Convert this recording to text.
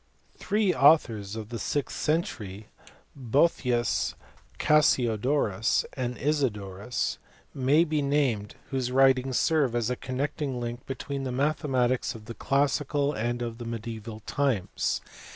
Three authors of the sixth century Boethius, Cassiodorus, and Isidorus may be named whose writings serve as a con necting link between the mathematics of classical and of mediaeval times.